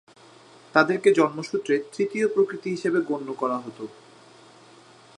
তাদেরকে জন্মসূত্রে তৃতীয় প্রকৃতি হিসেবে গণ্য করা হতো।